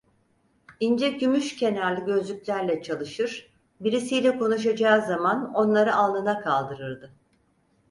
İnce gümüş kenarlı gözlüklerle çalışır, birisiyle konuşacağı zaman onları alnına kaldırırdı.